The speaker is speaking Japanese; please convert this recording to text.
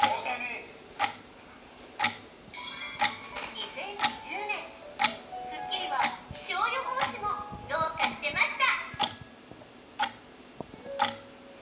２０２０年、『スッキリ』は気象予報士もどうかしてました。